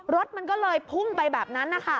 รถมันก็เลยพุ่งไปแบบนั้นนะคะ